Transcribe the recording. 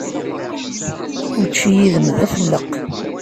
Učči yid-m d afelleq.